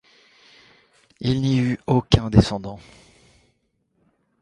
Il n'y eut aucun descendant.